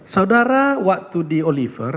saudara waktu di oliver